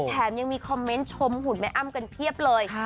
แถมยังมีคอมเมนต์ชมหุ่นแม่อ้ำกันเพียบเลย